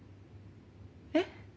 えっ？